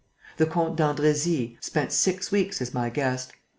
The Comte d'Andrésy spent six weeks as my guest.